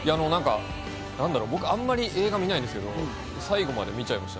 僕、あんまり映画見ないんですけど、最後まで見ちゃいました。